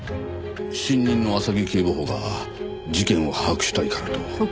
新任の浅木警部補が事件を把握したいからと。